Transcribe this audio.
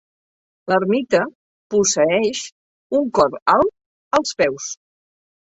L'ermita posseeix un cor alt als peus.